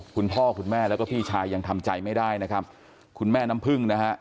คุณพ่อคุณแม่แล้วก็พี่ชายยังทำใจไม่ได้นะครับคุณแม่น้ำพึ่งนะฮะ